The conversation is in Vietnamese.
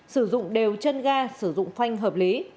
sử dụng đều chân ga sử dụng khoanh hợp lý